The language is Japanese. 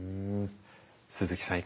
鈴木さん